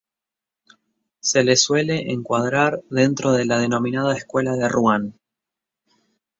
Se le suele encuadrar dentro de la denominada Escuela de Ruan.